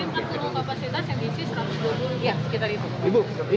harusnya satu kamar